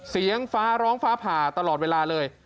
เสียงฟ้าร้องฟ้าผ่าตลอดเวลาเลย